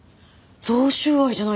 贈収賄じゃないですか！